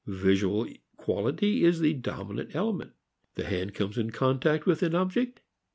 Visual quality is the dominant element. The hand comes in contact with an object.